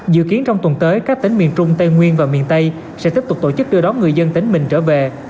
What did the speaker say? dự kiến trong tuần tới các tỉnh miền trung tây nguyên và miền tây sẽ tiếp tục tổ chức đưa đón người dân tỉnh mình trở về